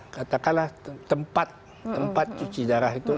katakanlah tempat cuci darah itu